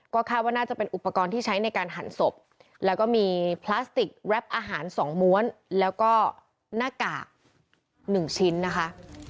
ก็คาดว่าน่าจะเป็นอุปกรณ์ที่ใช้ในการหั่นศพแล้วก็มีพลาสติกแรปอาหารสองม้วนแล้วก็หน้ากาก๑ชิ้นนะคะ